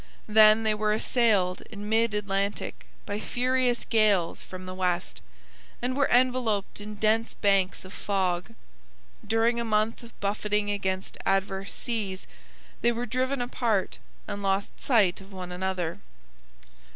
Then they were assailed in mid Atlantic by furious gales from the west, and were enveloped in dense banks of fog. During a month of buffeting against adverse seas, they were driven apart and lost sight of one another.